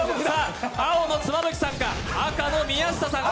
青の妻夫木さんか赤の宮下さんか。